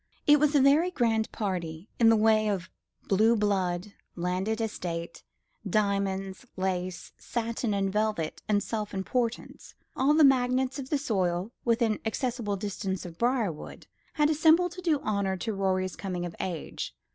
"It was a very grand party, in the way of blue blood, landed estate, diamonds, lace, satin and velvet, and self importance. All the magnates of the soil, within accessible distance of Briarwood, had assembled to do honour to Rorie's coming of age.